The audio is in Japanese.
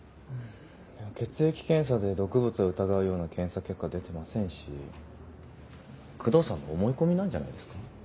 血液検査で毒物を疑うような検査結果は出てませんし工藤さんの思い込みなんじゃないですか？